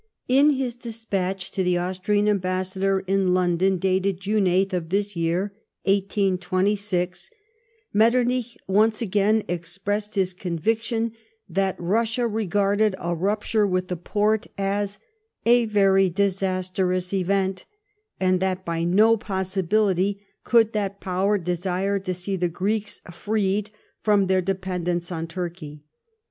In his despatch to the Austrian Ambassador in London dated June 8 of this year (182G), Metternich once again expressed his conviction that Russia regarded a rupture with the Porte as " a very disastrous event," and that by no possibility could that Power desire to see the Greeks freed from their dependence on Turkey.